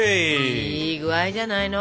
いい具合じゃないの？